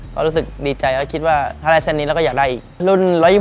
ก็รู้สึกดีใจแล้วคิดว่าถ้าได้เส้นนี้เราก็อยากได้อีก